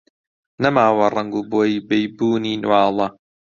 نەماوە ڕەنگ و بۆی بەیبوونی نواڵە